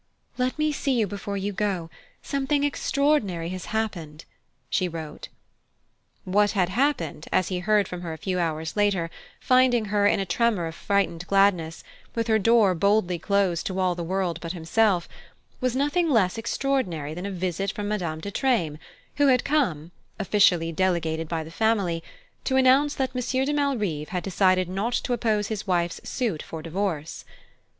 "Let me see you before you go: something extraordinary has happened," she wrote. What had happened, as he heard from her a few hours later finding her in a tremor of frightened gladness, with her door boldly closed to all the world but himself was nothing less extraordinary than a visit from Madame de Treymes, who had come, officially delegated by the family, to announce that Monsieur de Malrive had decided not to oppose his wife's suit for divorce.